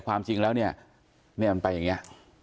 ความจริงแล้วเนี่ยมันไปอย่างนี้